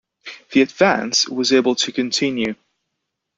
The advance was able to continue.